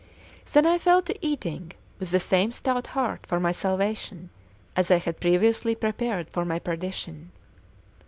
Then I fell to eating with the same stout heart for my salvation as I had previously prepared for my perdition.